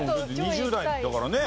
２０代だからね。